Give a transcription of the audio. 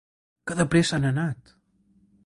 Que de pressa han anat!